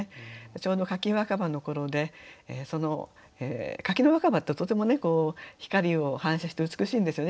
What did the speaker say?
ちょうど柿若葉の頃で柿の若葉ってとてもね光を反射して美しいんですよね